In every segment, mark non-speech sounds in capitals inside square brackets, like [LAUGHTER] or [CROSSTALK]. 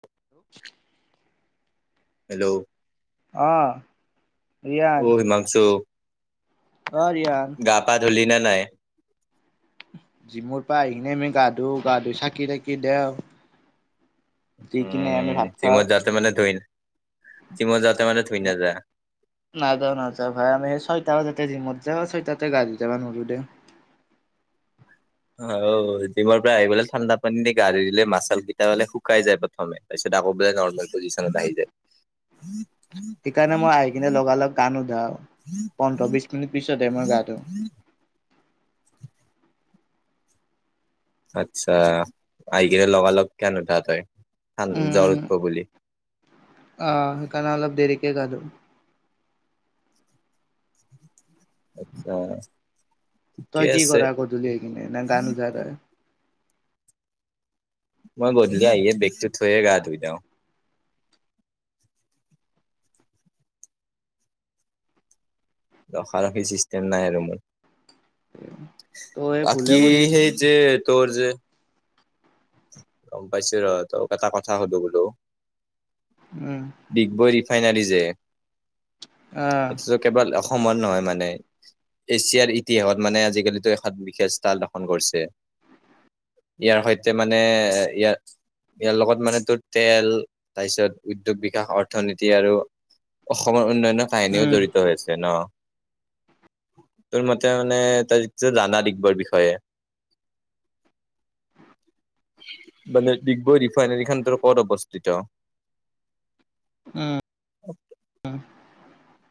Hello [INAUDIBLE] hello. অঁ। অহ' হিমাংছু অ', ৰিয়ান পা ধুলি নে নাই জিমৰ পা আহি কেনে আমি গা ধুওঁ, গা ধুই চাকি তাকি দেওঁ। উম জিমত যাতে মানে ধুই, জিমত যাতে মানে ধুই নাযা? নাাজাওঁ নাযাওঁ ভাই, আমি ছয়টা বাজাতে জিমত যাওঁ। ছয়টাতে গা ধুই যাবা নৰু দে। হও, জিমৰ পৰা আহি বলে ঠাণ্ডা পানী দি গা ধুই দিলি মাচাল কেইটা বলে শুকাই যায় প্ৰথমে, তাৰপিছত আকৌ বোলে নৰ্মেল পজিচনত আহি যায়। সেইকাৰণে মই আহি কিনে লগা লগ গা নোধাউ। পোন্ধৰ বিশ মিনিট পিছতহে মই গা ধুও। আচ্ছা, আহি কিনে লগা লগ গা নুধা তই, আন, জ্বৰ উম, উঠব বুলি। অ', সেইকাৰণে অলপ দেৰিকে গা ধু। আচ্ছা। তই কি কৰা গধূলি আহি কিনে, না গা নুধা তই? মই গধূলি আহিয়ে বেগটো থৈয়ে গা ধুই দেওঁ। ৰখা ৰখি চিষ্টেম নাই আৰু মোৰ। তই ভুলে বাকি কৰি আছ সেই যে, তোৰ যে গম পাইছোঁ ৰ, তোক এটা কথা সোধোঁ বোলো উম, ডিগবৈ ৰিফাইনাৰী যে, অ', এইটোতো কেৱল অস সমন নহয় মানে। এছিয়াৰ ইতিহাসত মানে আজিকালিতো এখন বিশেষ ষ্টাল দসন কৰিছে। ইয়াৰ সৈতে মানে ইয়াৰ ইয়াৰ লগত মানে তো তেল তাৰপিছত উদ্যোগ বিকাশ অৰ্থনীতি আৰু অসমৰ উন্নয়নৰ কাহিনীও উম, জড়িত হৈ আছে ন? তোৰ মতে মানে, তইতো জানা ডিগবৈৰ বিষয়ে [INAUDIBLE] মানে ডিগবৈ ৰিফাইনেৰী খানটোৰ কৰ'ত অৱস্থিত? উম।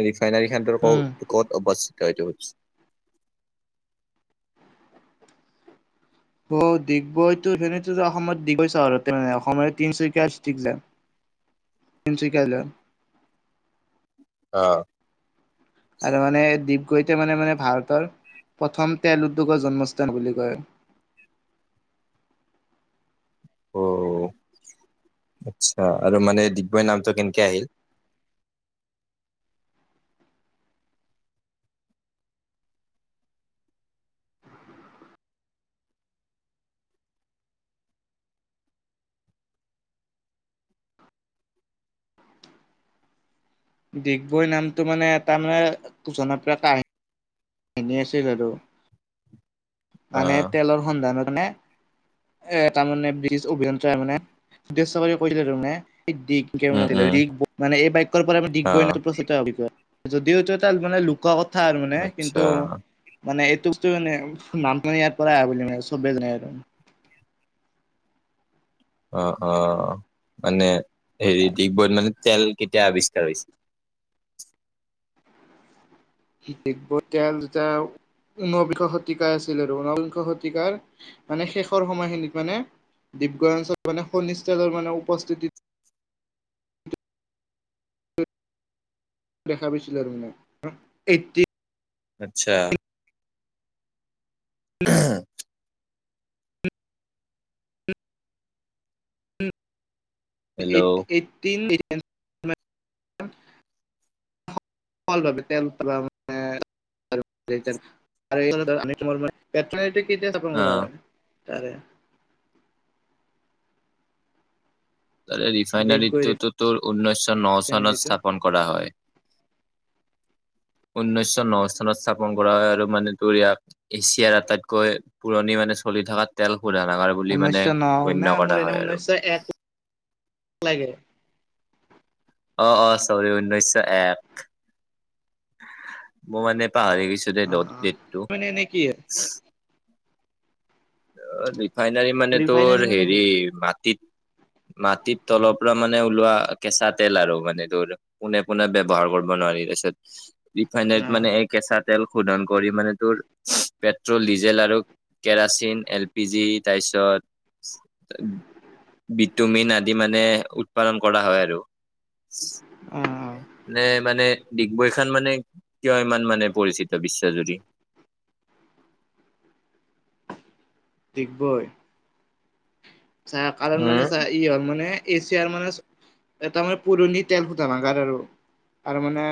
এই ৰিফাইনাৰী খন উম। ক'ত অৱ তয়টো অ' ডিগবৈতো সেনে অসমত ডিগবৈ চহৰতে মানে অসমৰ তিনিচুকীয়াষ্ট্ৰিক্ যায় [INAUDIBLE] তিনিচুকীয়া জিলাৰ অ' আৰু মানে ডিগবৈটোৰ মানে মানে ভাৰতৰ প্ৰথম তেল উদ্যোগৰ জন্মস্থান বুলি কয়। [INAUDIBLE] অহ' আচ্ছা আৰু মানে ডিগবৈ নামটো কেনেকে আহিল? ডিগবৈ নামটো মানে এটা মানে জনপ্ৰিয় কাহিন। এনে আছেগ আৰু অ মানে তেলৰ সন্ধানত মানে এ তাৰমানে ব্ৰিটিছ অভিযন্তাই মানে উদ্দেশ্য কৰি কৰিছিলে টো মানে ডি কে মানে উম [UNINTELLIGIBLE] উম ডিগবৈ এই বাক্যটোৰ অ পৰাই প্ৰচলিত [UNINTELLIGIBLE] যদিওটো তাত মানে লুকোৱা কথা আৰু মানে কিন্তু আচ্ছা মানে এইটো বস্ত মানে নামটো ইয়াৰ পৰা আহ বুলি মানে চবে জানে আৰু অ' অ' মানে হেৰি ডিগবৈত মানে তেল কেতিয়া আৱিষ্কাৰ হৈছিল? ডিগবৈ এতিয়া যাওঁ। ঊনবিংশ শতিকাই আছিল আৰু ঊনবিংশ শতিকাৰ মানে শেষৰ সময়খিনিত মানে [UNINTELLIGIBLE] মানে শনিষ্ঠলৰ মানে উপস্থিতিত। দেখা পাইছিলো আৰু মানে। এ আচ্ছা। [UNINTELLIGIBLE] হেল্ল' [UNINTELLIGIBLE] অ [INAUDIBLE] [INAUDIBLE] [INAUDIBLE] কেতিয়া স্থাপন কৰা হয় তাৰে তাৰে দেৱগৈ ৰিফাইনাৰীটো টো তোৰ ঊনৈছশ ন চনত ৰিফাইনেৰীটো স্থাপন কৰা হয় উনৈছশ ন চনত স্থাপন কৰা হয় আৰু মানে তোৰ ইয়াক এছিয়াৰ আটাইতকৈ পুৰণি মানে। মানে চলি থকা তেল। শোধনাগাৰ বুলি মানে ঊনৈছশ ন না গণ্য মোৰ কৰা এনে হয় আৰু। ঊনৈছশ এক লাগে অ' অ' চৰি ঊনৈশ এক মোৰ মানে পাহৰি গৈছো দে অ দত অ দেটটো। মানে এনে কি অ' ৰিফাইনাৰী মানে তোৰ ৰিফাইনাৰী মানে হেৰি কি অ মাটিত। মাটিত তলৰ পৰা মানে ওলোৱা কেঁচা তেল আৰু মানে তোৰ পোনে পোনে ব্যৱহাৰ কৰিব নোৱাৰিলে। তাৰপিছত। ৰিফাইনেৰিত মানে এই কেঁচা তেল শোধন কৰি মানে তোৰ পেট্ৰল ডিজেল আৰু কেৰাচিন। বিজি তাৰপিছত বিটোমিন আদি মানে উৎপাদন কৰা হয় আৰু। অ অ নে মানে। ডিগবৈ খন মানে কিয় ইমান মানে পৰিচিত বিশ্বজুৰি। [INAUDIBLE] ডিগবৈ। চা, কাৰণ মানে উম চা ই হয় মানে এছিয়াৰ মানে এটা মানে পুৰণি তেল সোধনাগাৰ আৰু তাৰ মানে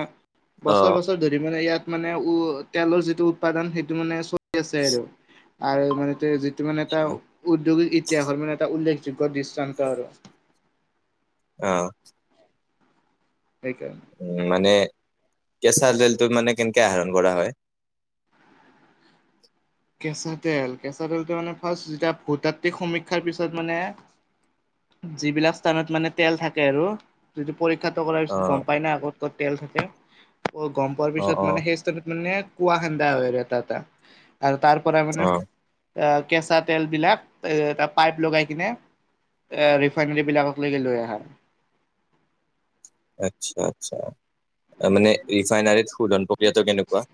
অ বছৰ- বছৰ ধৰি মানে ইয়াত মানে উ তেলৰ যিটো উৎপাদন সেইটো মানে চলি আছে আৰু আৰু মানে যিটো মানে এটা উদ্যোগিক ইতিহাসৰ মানে এটা উল্লেখযোগ্য দৃষ্টান্ত আৰু অ' সেইেটোৱে। উম, মানে কেঁচা জেলটো মানে কেনেকে আহৰণ কৰা হয়। কেঁচা তেল, কেঁচা তেলটো মানে ফাৰ্ষ্ট যেতিয়া ভূতাত্ত্বিক সমীক্ষাৰ পিছত মানে যিবিলাক স্থানত মানে তেল থাকে আৰু যিটো পৰীক্ষাটো কৰাৰ অ পিছত গম পাই না ক'ত ক'ত তেল থাকে' গম পোৱাৰ অ পিছত অ মানে সেই চাইদত মানে কুৱা খান্দা হয় আৰু এটা এটা আৰু তাৰ পৰা মানে অ এ কেঁচা তেল বিলাক এ এটা পাইপ লগাই কিনে এ ৰিফাইনেৰী বিলাকক লৈকে লৈ আহা আচ্ছা, আচ্ছা, মানে ৰিফাইনাৰীত শোধন প্ৰক্ৰিয়াটো কেনেকুৱা?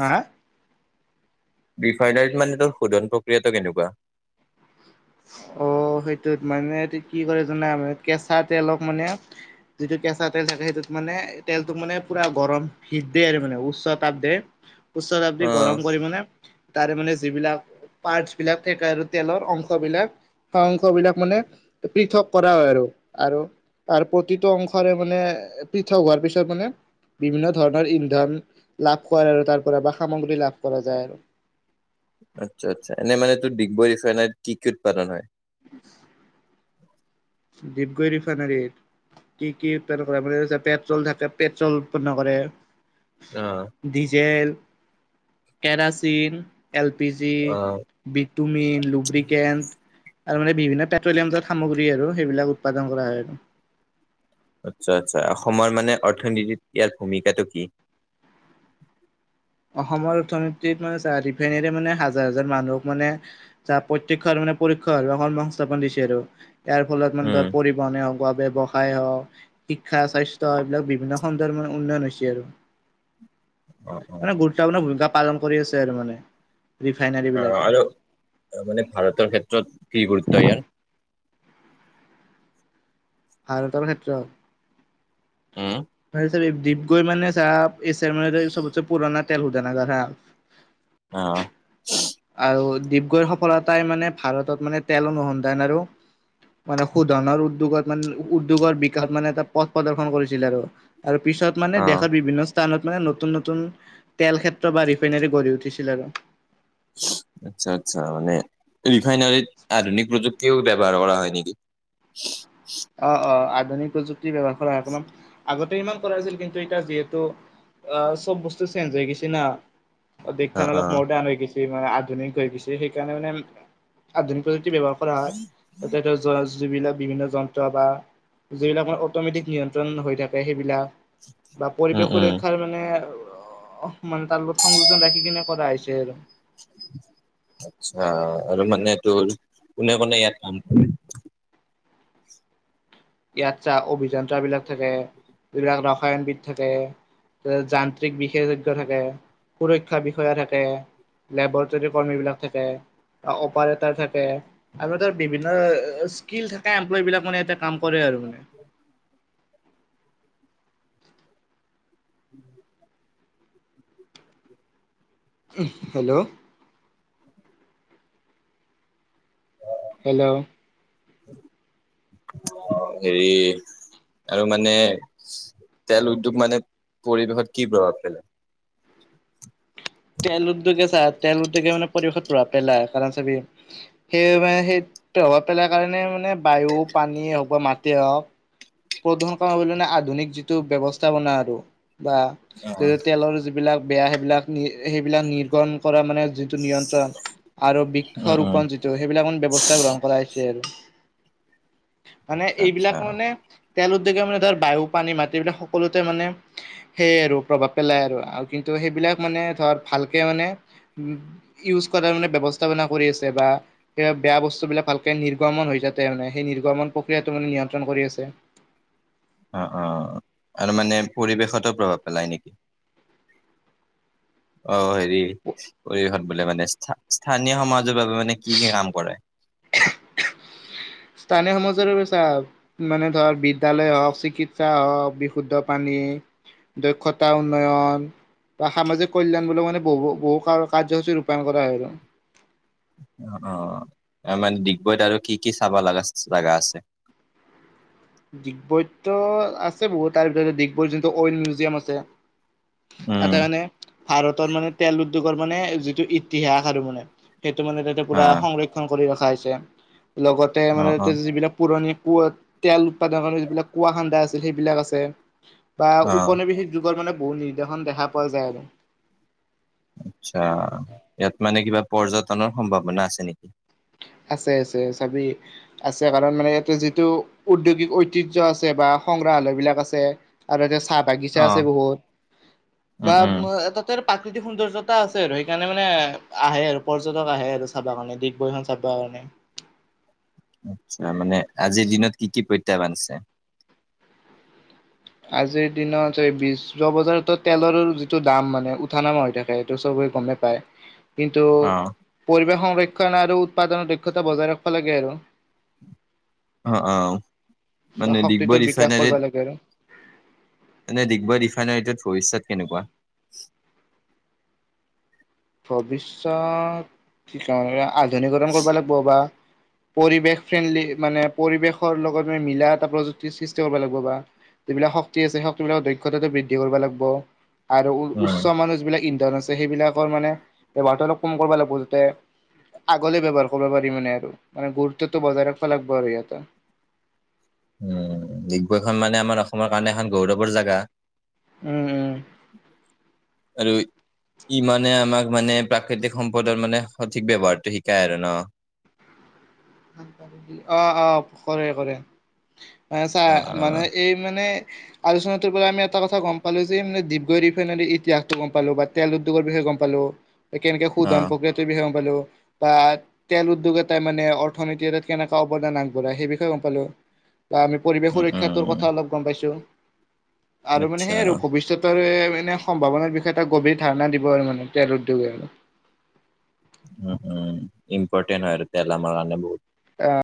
হা? ৰিফাইনাৰীত মানে তোৰ শোধন প্ৰক্ৰিয়াটো কেনেকুৱা? অ সেইটোত মানে এই কি কৰে জানা মানে কেঁচা তেলক মানে যিটো কেঁচা তেল থাকে সেইটোত মানে তেলটোক মানে পুৰা গৰম হিট দেই আৰু মানে উচ্চ তাপ দিয়ে। উচ্তাচাপ দি গৰম অ' কৰি মানে তাৰে মানে যিবিলাক পাৰ্টছ বিলাক থাকে আৰু তেলৰ অংশ বিলাক অংশ বিলাক মানে পৃথক কৰা হয় আৰু আৰু তাৰ প্ৰতিটো অংশৰে মানে পৃথক হোৱাৰ পিছত মানে বিভিন্ন ধৰণৰ ইন্ধন লাভ কৰে আৰু তাৰ পৰা বা সামগ্ৰী লাভ কৰা যায় আৰু আচ্ছা, আচ্ছা, এনে মানে তোৰ ডিগবৈ ৰিফাইনাৰীত কি কি উৎপাদন হয়? [INAUDIBLE] ডিপগুৈ ৰিফাইনাৰী কি, কি উৎপাদন্ন কৰে মানে পেট্ৰল থাকে, পেট্ৰল উৎপন্ন কৰে অ' diesel kerosene L P G অ' ভটমিন লুব্ৰিকেণ্ট আৰু মানে বিভিন্ন পেট্ৰলিয়ামাত সামগ্ৰী আৰু সেইবিলাক উৎপাদন কৰা হয় আৰু আচ্ছা, আচ্ছা, অসমৰ মানে অৰ্থনীতিত ইয়াৰ ভূমিকাটো কি? [INAUDIBLE] অসমৰ অৰ্থনীতিত মানে ৰিফাইনেী মানে হাজাৰ, হাজাৰ মানুহক মানে প্ৰত্যক্ষ মানে কৰ্ম সংস্থাপন দিছে আৰু ইয়াৰ ফলত মানে উম ধৰ পৰিবহনে হৱ সহায় হক শিক্ষা স্বাস্থ্য এইবিলাক বিভিন্ন খন্দৰ মান উন্নয়ন হৈছে আৰু উ, মানে গুৰুত্বপূৰ্ণ ভূমিকা পালন কৰি আছে আৰু মানে ৰিফাইনাৰী আহ, বিলাকে আৰু মানে ভাৰতৰ ক্ষেত্ৰত কি গুৰুত্ব ইয়াৰ। ভাৰতৰ ক্ষেত্ৰত উম ভ চ দীপ গৈ মানে চাহ এছিয়াৰ মানে চবতে পুৰণা তেল শোধনাগাৰ হা অ', আৰু দীপ গৈ সফলতাই মানে ভাৰতত মানে তেল অনুসন্ধান আৰু মানে শোধনৰ উদ্যোগত মানে উদ্যোগৰ বিকাশ মানে এটা পথ প্ৰদৰ্শন কৰিছিলে আৰু আৰু পিছত মানে অ' দেশৰ বিভিন্ন স্থানত মানে নতুন নতুন তেল ক্ষেত্ৰ বা ৰিফাইনোৰী গঢ়ি উঠিছিল আৰু আচ্ছা, আচ্ছা, মানে ৰিফাইনাৰীত আধুনিক প্ৰযুক্তিও ব্যৱহাৰ কৰা হয় নেকি? [INAUDIBLE] অ, অ, আধুনিক প্ৰযুক্তিৰ ব্যৱহাৰ কৰা অকমান আগতে ইমান কৰাছিল কিন্তু এতিয়া যিহেতু অ চব বস্তু চেঞ্জ হৈ গৈছে না দেশখনান অ' অলপ অ' মডাৰ্ণ হৈ গৈছে মানে আধুনিক হৈ গৈছে সেইকাৰণে মানে আধুনিকুক্ত ব্যৱহাৰ কৰা হয় য বিলাক বিভিন্ন যন্ত্ৰ বা যিবিলাক অটমেটিক নিয়ন্ত্ৰণ হৈ থাকে সেইবিলাক বা উম পৰিৱেশ উম সুৰক্ষাৰ মানে মানে তাৰ লগত সংযোজন ৰাখি কিনে কৰা হৈছে আৰু [UNINTELLIGIBLE] আচ্ছা, আৰু মানে তোৰ কোনে, কোনে ইয়াত কাম কৰে ইয়াত চা অভিযন্ত্ৰ বিলাক থাকে যিবিলাক ৰাসায়নবিদ থাকে যান্ত্ৰিক বিশেষজ্ঞ থাকে সুৰক্ষা বিষয়া থাকে লেবৰেটৰীৰ কৰ্মীবলাক থাকে অপাৰেটৰ থাকে আৰু ই বিভিন্ন স্কিল থাকে এমপ্লয় বিলাক মে ই কাম কৰে আৰু মানে উম হেল্ল', হেল্ল', হেৰি আৰু মানে তেল উদ্যোগ মানে পৰিৱেশত কি প্ৰভাৱ পেলাই তেল উদ্যোগে চা তেল উদ্যোগে মানে পৰিৱেশত প্ৰভাৱ পেলাই চি সেই মানে সেই প্ৰভাৱ পেলাৰ কাৰণে মানে বায়ু পানীয়ে হওক বা মাটি প্ৰদন কৰা আধুনিক যিটো ব্যৱস্থাপনা আৰু বা য তেলৰ যিবিলাক বেয়া সেইবিলাক নি সেইবিলাক নিৰ্গণ কৰা মানে নিয়ন্ত্ৰণ আৰু উম, উম, বৃক্ষৰূপোন যিটো সেইবিলাক ব্যয়ৱস্থা গ্ৰহণ কৰা হৈছে আৰু মানে আচ্ছা, আচ্ছা, এইবিলাক মানে তেল উদ্যগে মানে ধাৰ বায়ু পানী মাটি বিলাক সকলোতে মানে সেয় আৰু প্ৰভাৱ পেলাই আৰু কিন্তু তো সেইবিলাক মানে ধৰ ভালকৈ মানে ইউজ কৰাৰ মানে ব্যৱস্থাপনা কৰি আছে বা সেই বেয়া বস্তুবিলাক ভালকে নিৰ্গমন হৈ যাতে মানে সেই নিৰ্গমন প্ৰক্ৰিয়াটো মানে নিয়ন্ত্ৰণ কৰি আছে। অ', -অ' আৰু মানে পৰিৱেশতো প্ৰভাৱ পেলায় নেকি? অ' হেৰি পৰিৱেশত বোলে মানে স্থানীয় সমাজৰ বাবে মানে কি, কি কাম কৰে। স্থানীয় সমাজৰ চা মানে ধৰ বিদ্যালয় হওঁক, চিকিৎসা হওক। বিশুদ্ধ পানী দক্ষতা উন্নয়ন। বা সামাজিক কল্যাণ বুলিও মানে বহু-বহু কাৰ্যসূচী ৰূপায়ন কৰা হয় আৰু অ', -অ' ত মানে ডিগবৈত আৰু কি, কি চাব লগা জাগা আছে। [INAUDIBLE] ডিগবৈদতো আছে বহুত তাৰ ভিতৰ ডিগবৈ যোনটো অইল মিউজিয়াম আছে। উম, তাতে মানে ভাৰতৰ মানে তেল উদ্যোগৰ মানে যিটো ইতিহাস আৰু মানে সেইটো মানে তাতে পূৰা অ', সংৰক্ষণ কৰি ৰখা হৈছে লগতে মানে অ', তাতে অ'। যিবিলাক পুৰণি কুঁৱা তেল উৎপাদন যিবিলাক কুঁৱা খান্দা আছিল, সেইবিলাক আছে। বা অ', ঔনিৱেশিক যুগৰ মানে বহুত নিৰ্দেশন দেখা পোৱা যায় আৰু আচ্ছা ইয়াত মানে কিবা পৰ্যটনৰ সম্ভাৱনা আছে নেকি? আছে আছে চাবি আছে, কাৰণ মানে ইয়াতে যিটো উদ্যোগিক ঐতিহ্য আছে বা সংগ্ৰাহালয় বিলাক আছে আৰু চাহ বাগিচা আছে অ', বহুত উম, বা উম, তাতে। প্ৰাকৃতিক সৌন্দৰ্যতা আছে আৰু সেইকাৰণে মানে আহে আৰু পৰ্যটক আহে আৰু চাবা কাৰণে চাবৰ কাৰণে আচ্ছা মানে আজিৰ দিনত কি, কি প্ৰত্যাহ্বান আছে। আজিৰ দিনত এই বিশ যোৱা বজাৰত তেলৰো যিটো দাম মানে উঠা, নামা হৈ থাকে সিটো চব গমেই পায়। কিন্তু অ', পৰিৱেশ সংৰক্ষণ আৰু উৎপাদনৰ দক্ষতা বজাই ৰাখবা লাগে আৰু অ', -অ'। বা মানে ডিগবৈ শক্তিটোৰ বিকাশ কৰিব ৰিফাইনাৰীত লাগে আৰু মানে ডিগবৈ ৰিফাইনাৰীটোত। ভবিষ্যত কেনেকুৱা? ভৱিষ্যত কি আধুনিকৰণ কৰিব লাগিব বা পৰিৱেশ ফ্ৰেণ্ডলি মানে পৰিৱেশৰ লগত মিলা এটা প্ৰযুক্তিৰ সৃষ্টি কৰিব লাগিব বা যিবিলাক শক্তি আছে, সেই শক্তিবিলাকৰ দক্ষতাটো বৃদ্ধি কৰিব লাগিব। আৰু উম, উচ্চ মানুহ যিবিলাক ইন্ধন আছে, সেইবিলাকৰ মানে ব্যৱহাৰটো অলপ কম কৰিব লাগিব যাতে আগলে ব্যৱহাৰ কৰিব পাৰি মানে আৰু মানে গুৰুত্বটো বজাই ৰাখিব লাগিব আৰু সিহঁতে। উম ডিগবৈখন মানে আমাৰ অসমৰ কাৰণে এখন গৌৰৱৰ জেগা। উম-উম। আৰু ই মানে আমাক মানে প্ৰাকৃতিক সম্পদৰ মানে সঠিক ব্যৱহাৰটো শিকায় আৰু ন'। [INAUDIBLE] অ', -অ' কৰে, কৰে চা অ', মানে অ', এই মানে আলোচনাটোৰ পৰা আমি এটা কথা গম পালো যে মানে ডিগবৈ ৰিফাইনাৰী ইতিাসতটো গম পালো বা তেল উদ্যোগৰ বিষয়ে গম পালো, এতিয়া শোধন অ', প্ৰক্ৰিয়াটো গম পালো, আ তেল উদ্যোগ এটাই মানে অৰ্থ অৰ্থনীতি এটাত কেনেকুৱা অৱদান আগবঢ়াই, সেই বিষয়ে গম পালো। বা আমি পৰিৱেশ উম, সুৰক্ষাটোৰ কথা উম, অলপ গম পাইছো। আৰু মানে আচ্ছা, সেই আৰু ভৱিষ্যত আৰু সম্ভাৱনাৰ বিষয়ে এটা গভীৰ ধাৰণা দিব আৰু মানে তেওঁৰ উদ্যোগে আৰু উম, উম ইম্প'ৰ্টেণ্ট হয় আৰু তেলা আমাৰাে বহুত অ'।